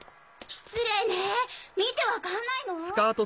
失礼ね見てわかんないの？